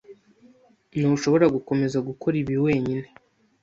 Ntushobora gukomeza gukora ibi wenyine.